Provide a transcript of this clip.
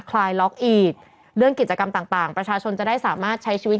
คลายล็อกอีกเรื่องกิจกรรมต่างต่างประชาชนจะได้สามารถใช้ชีวิต